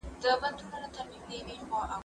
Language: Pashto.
زه پرون موسيقي اورم وم!